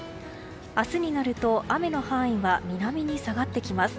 明日になると雨の範囲は南に下がってきます。